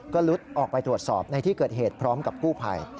ก็ลุดออกไปตรวจสอบในที่เกิดเหตุพร้อมกับกู้ภัย